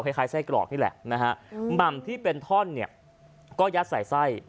คล้ายไส้กรอกนี่แหละนะฮะหม่ำที่เป็นท่อนเนี่ยก็ยัดใส่ไส้